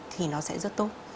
thì nó sẽ rất tốt